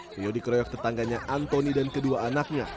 rio di kroyok tetangganya antoni dan kedua anaknya